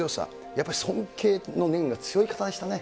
やっぱり尊敬の念が強い方でしたね。